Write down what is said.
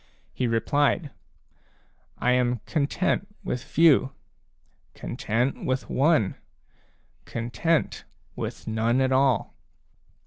He replied :" I am content with few, content with one, content with none at all."